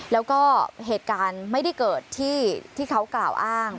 แล้วก็เหตุการณ์ไม่ได้เกิดที่เขากล่าวอ้าง